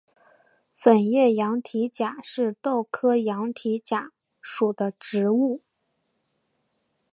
粉叶羊蹄甲是豆科羊蹄甲属的植物。